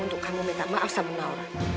untuk kamu minta maaf sama allah